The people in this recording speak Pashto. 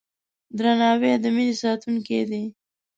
درناوی د مینې ساتونکی دی.